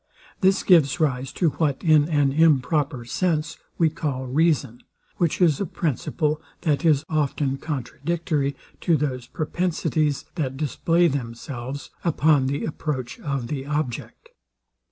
This gives rise to what in an improper sense we call reason, which is a principle, that is often contradictory to those propensities that display themselves upon the approach of the object.